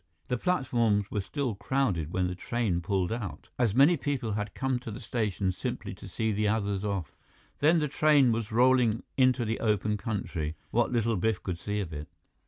The platforms were still crowded when the train pulled out as many people had come to the station simply to see the others off. Then the train was rolling into the open country, what little Biff could see of it.